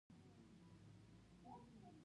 بېرته را وګرځېدم منډه مې واخیسته.